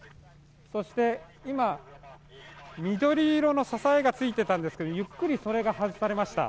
今、緑色の支えがついていたんですが、ゆっくりそれが外されました。